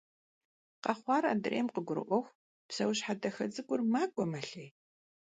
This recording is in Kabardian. Къэхъуар адрейм къыгурыIуэху, псэущхьэ дахэ цIыкIур макIуэ-мэлъей.